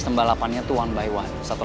om area pak itu